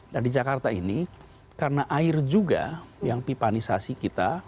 nah di jakarta ini karena air juga yang pipanisasi kita